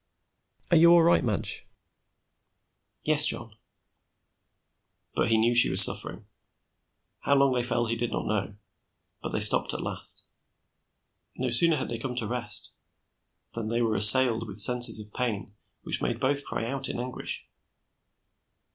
"Are you all right, Madge?" "Yes, John." But he knew she was suffering. How long they fell he did not know, but they stopped at last. No sooner had they come to rest than they were assailed with sensations of pain which made both cry out in anguish.